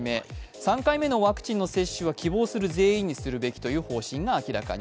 ３回目のワクチンの接種は希望する全員にすべきということが明らかに。